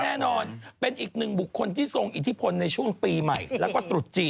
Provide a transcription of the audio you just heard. แน่นอนเป็นอีกหนึ่งบุคคลที่ทรงอิทธิพลในช่วงปีใหม่แล้วก็ตรุษจีน